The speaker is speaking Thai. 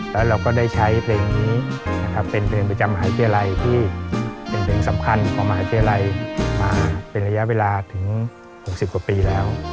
แล้วเราก็ได้ใช้เพลงนี้นะครับเป็นเพลงประจำมหาวิทยาลัยที่เป็นเพลงสำคัญของมหาวิทยาลัยมาเป็นระยะเวลาถึง๖๐กว่าปีแล้ว